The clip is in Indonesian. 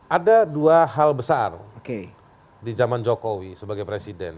ada dua hal besar di zaman jokowi sebagai presiden